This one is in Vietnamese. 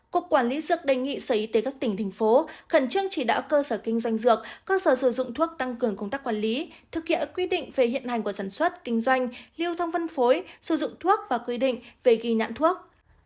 cục quản lý dược đề nghị sở y tế các tỉnh thành phố khẩn trương chỉ đạo cơ sở kinh doanh dược cơ sở sử dụng thuốc tăng cường công tác quản lý thực hiện quy định về hiện hành của sản xuất kinh doanh lưu thông phân phối sử dụng thuốc và quy định về ghi nhãn thuốc